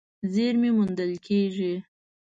زېرمې موندل کېږي.